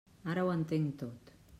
Ara ho entenc tot.